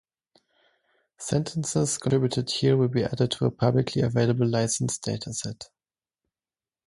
Sentences contributed here will be added to a publicly available licensed dataset